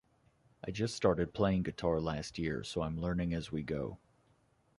I just started playing guitar last year so I'm learning as we go.